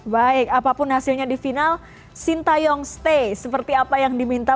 baik apapun hasilnya di final sintayong stay seperti apa yang diminta